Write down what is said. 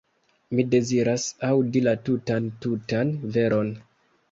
Mi deziras aŭdi la tutan, tutan veron.